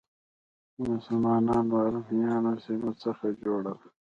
د مسلمانو او ارمنیایي سیمو څخه جوړه ده.